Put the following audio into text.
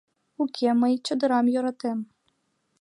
— Уке, мый чодырам йӧратем.